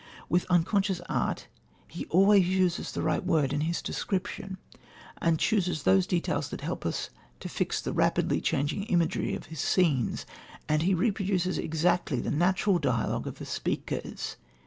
With unconscious art, he always uses the right word in his descriptions, and chooses those details that help us to fix the rapidly changing imagery of his scenes; and he reproduces exactly the natural dialogue of the speakers.